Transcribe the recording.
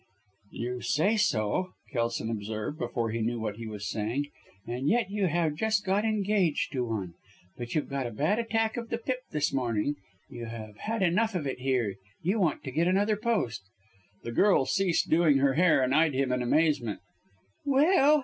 "You say so!" Kelson observed, before he knew what he was saying. "And yet you have just got engaged to one. But you've got a bad attack of the pip this morning, you have had enough of it here you want to get another post." The girl ceased doing her hair and eyed him in amazement. "Well!"